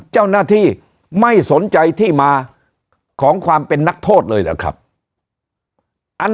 เจ้าหน้าที่ไม่สนใจที่มาของความเป็นนักโทษเลยเหรอครับอัน